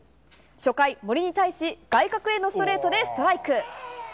初回、森に対し外角へのストレートでストライク。